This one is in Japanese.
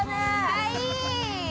◆はい。